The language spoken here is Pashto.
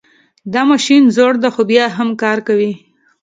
دا ماشین زوړ ده خو بیا هم کار کوي